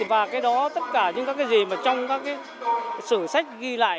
và cái đó tất cả những các cái gì mà trong các cái sử sách ghi lại